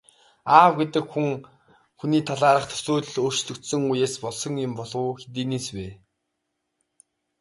Аав гэдэг хүний талаарх төсөөлөл өөрчлөгдсөн үеэс болсон юм болов уу, хэдийнээс вэ?